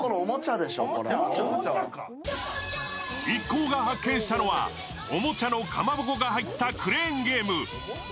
一行が発見したのはおもちゃのかまぼこが入ったクレーンゲーム「ＧｏＧｏ！！